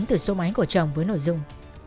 từ số máy của chồng với nội dung